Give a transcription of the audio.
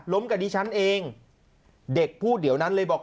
กับดิฉันเองเด็กพูดเดี๋ยวนั้นเลยบอก